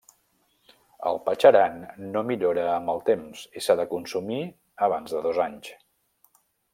El patxaran no millora amb el temps i s'ha de consumir abans de dos anys.